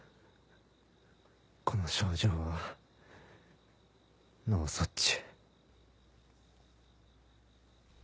この症状は脳卒中。